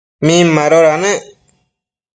Min madoda nec ?